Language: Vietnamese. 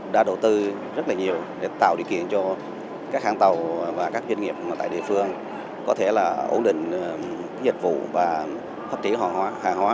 đã đầu tư rất là nhiều để tạo điều kiện cho các hãng tàu và các doanh nghiệp tại địa phương có thể ổn định dịch vụ và phát triển hòa hóa